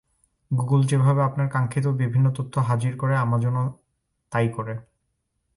Google যেভাবে আপনার কাঙ্ক্ষিত বিভিন্ন তথ্য হাজির করে, আমাজনও তা-ই করে।